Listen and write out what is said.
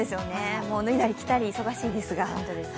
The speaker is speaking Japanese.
脱いだり着たり忙しいですが。